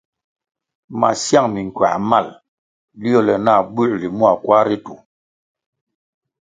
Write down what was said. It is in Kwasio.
Masiang minkuãh mal liole nah buęrli ma kwar ritu.